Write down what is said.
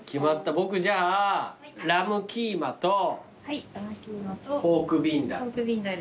僕じゃあラムキーマとポークビンダル。